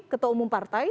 ketua umum partai